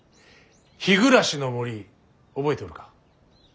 日暮らしの森覚えておるか。